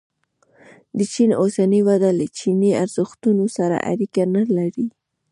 د چین اوسنۍ وده له چیني ارزښتونو سره اړیکه نه لري.